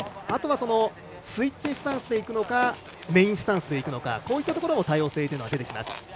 あとはスイッチスタンスで行くかメインスタンスで行くのかこういったところにも多様性は出てきます。